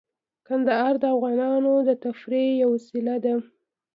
کندهار د افغانانو د تفریح یوه وسیله ده.